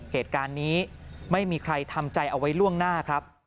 เหตุการณ์นี้ไม่มีใครทำใจเอาไว้ล่วงหน้าครับ